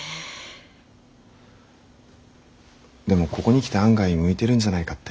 でもここに来て案外向いてるんじゃないかって。